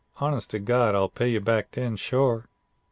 Honest to God, I'll pay you back den, shore.'"